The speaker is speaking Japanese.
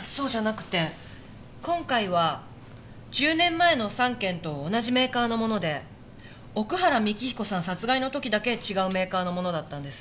そうじゃなくて今回は１０年前の３件と同じメーカーのもので奥原幹彦さん殺害の時だけ違うメーカーのものだったんです。